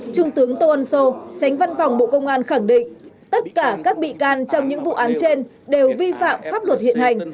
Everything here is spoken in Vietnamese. trung tướng tô ân sô tránh văn phòng bộ công an khẳng định tất cả các bị can trong những vụ án trên đều vi phạm pháp luật hiện hành